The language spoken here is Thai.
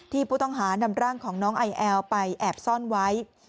ผู้ต้องหานำร่างของน้องไอแอลไปแอบซ่อนไว้